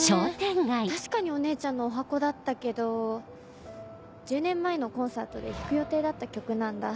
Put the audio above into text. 確かにお姉ちゃんのおはこだったけど１０年前のコンサートで弾く予定だった曲なんだ。